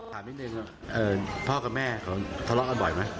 ถามนิดนึงพ่อกับแม่เขาทะเลาะกันบ่อยไหม